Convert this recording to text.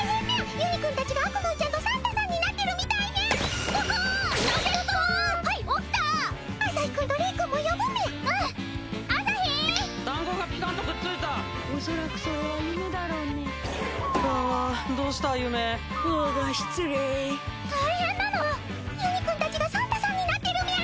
ゆにくんたちがサンタさんになってるみゃ！